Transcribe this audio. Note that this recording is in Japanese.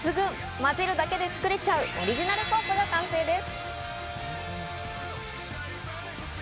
混ぜるだけで作れちゃうオリジナルソースの完成です。